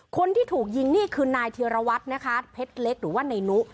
คนที่ถูกยิงนี่คือนายธีรวัตรนะคะเพชรเล็กหรือว่านายนุ